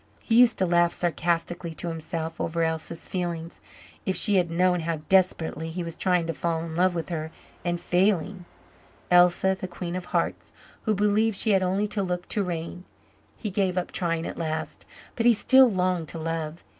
He used to laugh sarcastically to himself over Elsa's feelings if she had known how desperately he was trying to fall in love with her and failing Elsa the queen of hearts, who believed she had only to look to reign. He gave up trying at last, but he still longed to love.